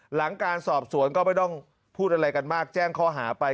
หลังการสอบสวนก็ไม่ต้องพูดอะไรกันมากแจ้งข้อหาไป